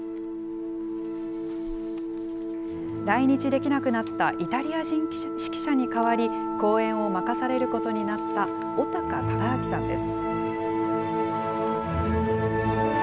来日できなくなったイタリア人指揮者に代わり、公演を任されることになった尾高忠明さんです。